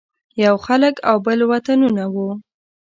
یو خلک او بل وطنونه وو.